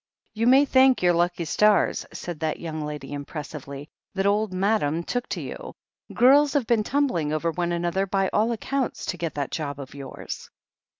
"You may thank your lucky stars," said that young lady impressively, "that old M^dam took to you. Girls have been tumbling over one another, by all accounts, to get that job of yours."